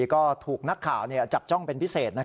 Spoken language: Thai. ก็ถูกนักข่าวจับจ้องเป็นพิเศษ